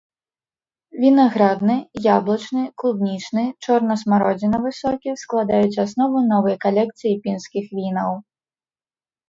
Вінаградны, яблычны, клубнічны, чорнасмародзінавы сокі складаюць аснову новай калекцыі пінскіх вінаў.